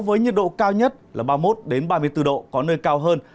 với nhiệt độ cao nhất là ba mươi một ba mươi bốn độ có nơi cao hơn